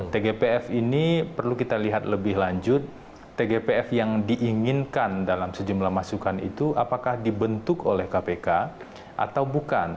tgpf ini perlu kita lihat lebih lanjut tgpf yang diinginkan dalam sejumlah masukan itu apakah dibentuk oleh kpk atau bukan